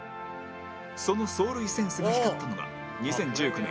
その走塁センスが光ったのが２０１９年